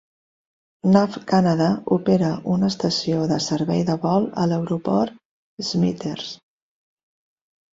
NavCanada opera una Estació de servei de vol al aeroport Smithers.